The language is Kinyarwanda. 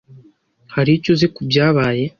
Hari icyo uzi ku byabaye?